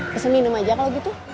pesan minum aja kalau gitu